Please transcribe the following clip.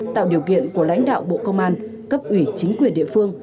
tạo điều kiện của lãnh đạo bộ công an cấp ủy chính quyền địa phương